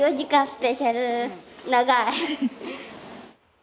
スペシャル長い。